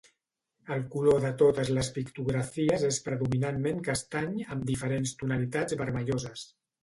El color de totes les pictografies és predominantment castany amb diferents tonalitats vermelloses.